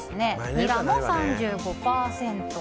ニラは３５％。